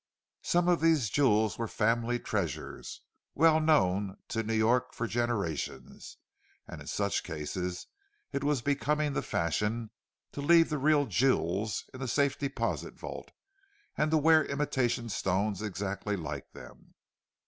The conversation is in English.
Some of these jewels were family treasures, well known to New York for generations; and in such cases it was becoming the fashion to leave the real jewels in the safe deposit vault, and to wear imitation stones exactly like them.